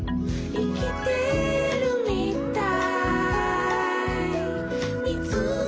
「いきてるみたい」